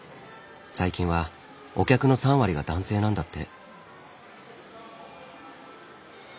最近はお客の３割が男性なんだって。